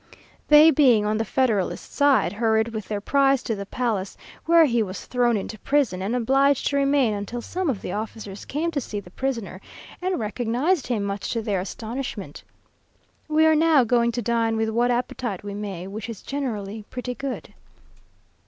They being on the federalist side, hurried with their prize to the palace, where he was thrown into prison, and obliged to remain until some of the officers came to see the prisoner, and recognized him, much to their astonishment. We are now going to dine with what appetite we may, which is generally pretty good.